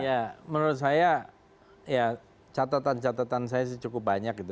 ya menurut saya ya catatan catatan saya sih cukup banyak gitu